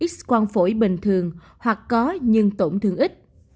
x quang phổi bình thường hoặc có nhưng tổn thương ít